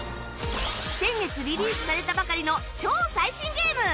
先月リリースされたばかりの超最新ゲーム